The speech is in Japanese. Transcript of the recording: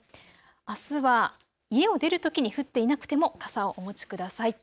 あすは家を出るときに降っていなくても傘をお持ちください。